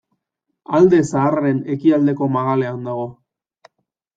Alde Zaharraren ekialdeko magalean dago.